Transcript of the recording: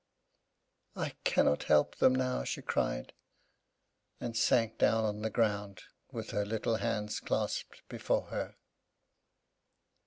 "I cannot help them now!" she cried, and sank down on the ground, with her little hands clasped before her.